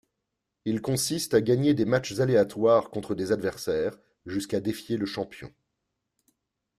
Il consiste à gagner des matchs aléatoires contre des adversaires jusqu'à défier le champion.